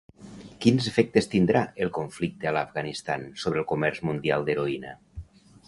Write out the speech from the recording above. Quins efectes tindrà el conflicte a l’Afganistan sobre el comerç mundial d’heroïna?